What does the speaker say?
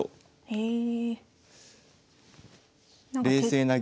へえ。